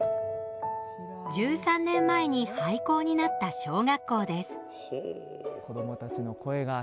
１３年前に廃校になった小学校です。